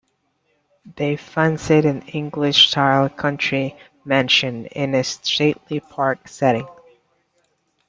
They fancied an English-style country mansion in a stately park setting.